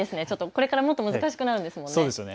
これからもっと難しくなるんですもんね。